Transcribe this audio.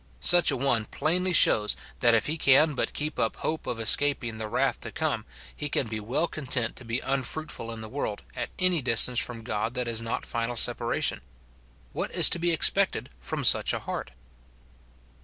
Such a one plainly shows, that if he can but keep up hope of escap ing the "wrath to come," he can be well content to be unfruitful in the world, at any distance from God that is not final separation. What is to be expected from such a heart